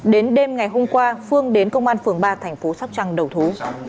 đến đêm ngày hôm qua phương đến công an phường ba thành phố sóc trăng đầu thú